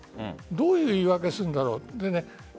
どういう言い訳をするんだろう。